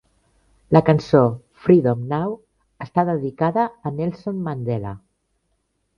La cançó "Freedom Now" està dedicada a Nelson Mandela.